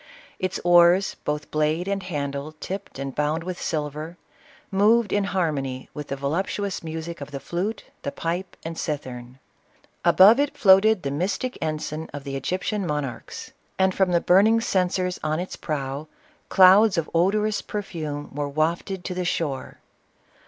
Its oars, both blade and handle tipped and bound with silver, moved in harmony with the volup tuous music of the flute, the pipe, and cithern. Above it floated the mystic ensign of the Egyptian monarchs ; and from the burning censers on its prow, clouds of odorous perfume were wafted to the shore.